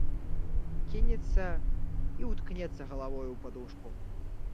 Кінецца і ўткнецца галавою ў падушку.